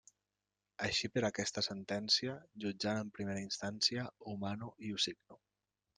Així per aquesta sentència, jutjant en primera instància, ho mano i ho signo.